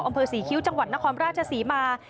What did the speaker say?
อำเภอศรีคิ้วจังหวัดนครราชศรีมา